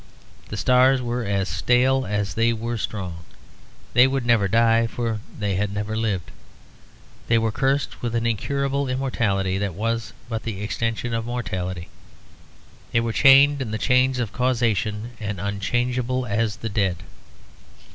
The stars were as stale as they were strong; they would never die for they had never lived; they were cursed with an incurable immortality that was but the extension of mortality; they were chained in the chains of causation and unchangeable as the dead.